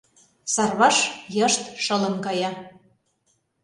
Сарваш йышт шылын кая.